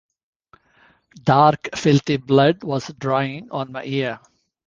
Dark filthy blood was drying on my ear.